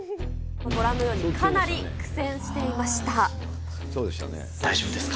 ご覧のように、かなり苦戦し大丈夫ですか？